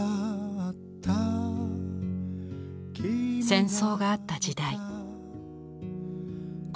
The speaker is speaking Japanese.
戦争があった時代。